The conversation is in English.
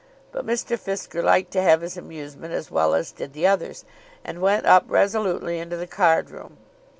But Mr. Fisker liked to have his amusement as well as did the others, and went up resolutely into the cardroom.